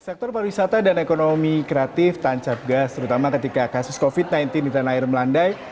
sektor pariwisata dan ekonomi kreatif tancap gas terutama ketika kasus covid sembilan belas di tanah air melandai